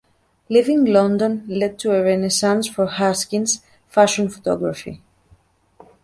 Leaving London led to a Renaissance for Haskins’ fashion photography.